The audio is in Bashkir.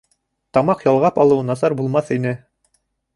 Тамаҡ ялғап алыу насар булмаҫ ине